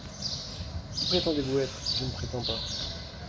—Qui prétendez-vous être ? —Je ne prétends pas.